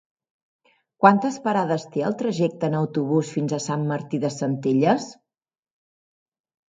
Quantes parades té el trajecte en autobús fins a Sant Martí de Centelles?